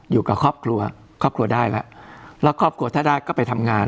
อยู่กับครอบครัวครอบครัวได้แล้วแล้วครอบครัวถ้าได้ก็ไปทำงาน